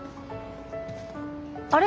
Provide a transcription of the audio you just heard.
あれ？